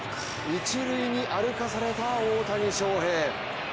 一塁に歩かされた大谷翔平。